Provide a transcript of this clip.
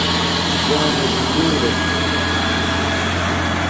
جامیے سکُول لشو